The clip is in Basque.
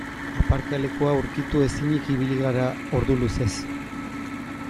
Aparkalekua aurkitu ezinik ibili gara ordu luzez.